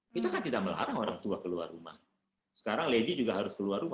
kita kan tidak melarang orang tua keluar rumah sekarang lady juga harus keluar rumah